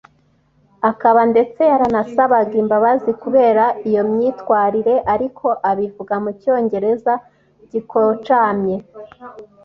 akaba ndetse yaranasabaga imbabazi kubera iyo myitwarire ariko abivuga mu cyongereza gikocamye